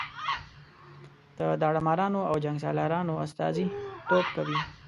د داړه مارانو او جنګ سالارانو استازي توب کوي.